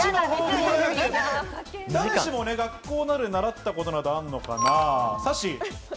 誰しも学校などで習ったことがあるのかな。